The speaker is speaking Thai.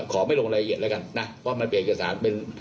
ขอไม่ลงละเอียดแล้วกันนะครับเพราะว่ามันเปลี่ยนเอกสารเป็น